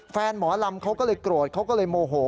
หมอลำเขาก็เลยโกรธเขาก็เลยโมโห